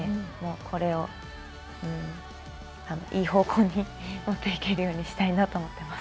これをいい方向に持っていけるようにしたいなと思ってます。